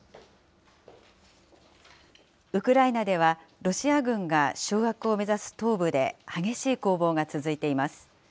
ウクライナでは、ロシア軍が掌握を目指す東部で激しい攻防が続いています。